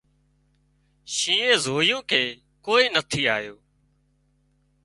شِينهئي زويُون ڪي ڪوئي نٿي آيون